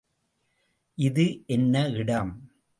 இது என்ன இடம்?